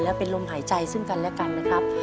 และเป็นลมหายใจซึ่งกันและกันนะครับ